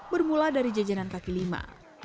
bermula dari jajanan kaki lima